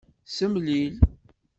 Semlil.